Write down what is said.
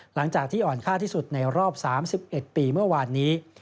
หลังจากที่อ่อนค่าที่สุดในรอบ๓๑ปีเมื่อวานนี้